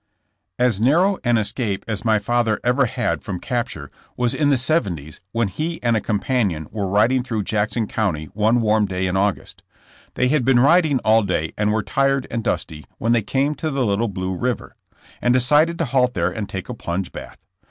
As narrow an escape as my father ever had from capture was in the 70 's when he and a companion were riding through Jackson County one warm day in August. They had been riding all day Ind were tired and dusty when they came to the Little Blue river, and decided to halt there and take a plunge bath.